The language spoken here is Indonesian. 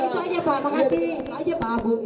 itu aja pak makasih itu aja pak abu